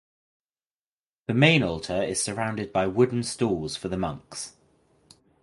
The main altar is surrounded by wooden stalls for the monks.